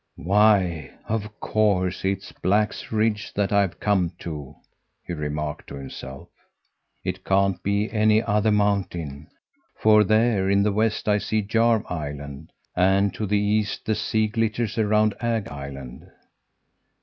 "'Why of course it's Black's Ridge that I've come to!' he remarked to himself. 'It can't be any other mountain, for there, in the west, I see Jarv Island, and to the east the sea glitters around Ag Island.